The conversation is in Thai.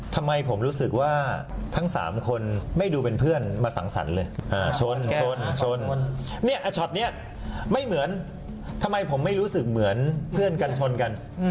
เถอะมีการเทเพิ่มนะฮะ